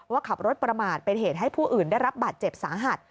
ว่าขับรถประมาทเป็นเหตุให้ผู้อื่นได้รับบาดเจ็บสาหัส